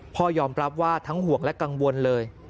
พ่อยอมรับว่าทั้งห่วงและกังวลเลย